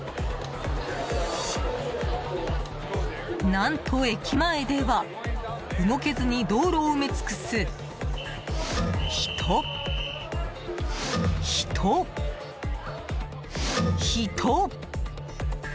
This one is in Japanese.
何と駅前では動けずに道路を埋め尽くす人、人、人。